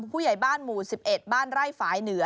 ผู้ใหญ่บ้านหมู่๑๑บ้านไร่ฝ่ายเหนือ